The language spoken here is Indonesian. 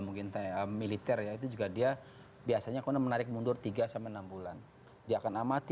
mungkin militer ya itu juga dia biasanya menarik mundur tiga enam bulan dia akan amati